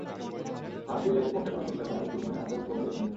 হাত দিয়ে কোপ ঠেকানোর চেষ্টা করায় দুজনের হাতেও কোপ দেয় খুনিরা।